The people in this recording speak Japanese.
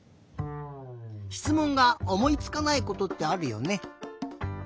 しつもんがおもいつかないことってあるよね。